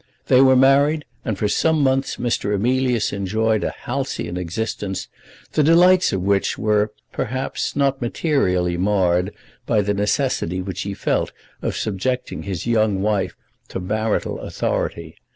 They were married, and for some few months Mr. Emilius enjoyed a halcyon existence, the delights of which were, perhaps, not materially marred by the necessity which he felt of subjecting his young wife to marital authority.